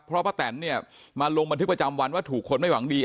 เพราะป้าแตนเนี่ยมาลงบันทึกประจำวันว่าถูกคนไม่หวังดี